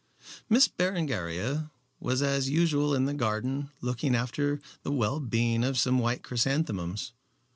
Miss Berengaria was as usual in the garden looking after the well being of some white chrysanthemums.